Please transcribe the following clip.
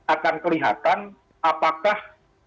akan kelihatan apakah